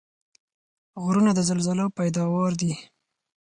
غرونه د زلزلو پیداوار دي.